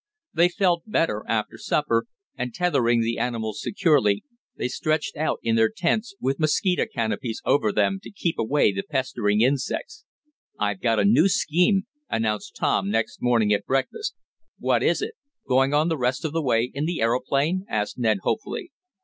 They felt better after supper, and, tethering the animals securely, they stretched out in their tents, with mosquito canopies over them to keep away the pestering insects. "I've got a new scheme," announced Tom next morning at breakfast. "What is it? Going on the rest of the way in the aeroplane?" asked Ned hopefully.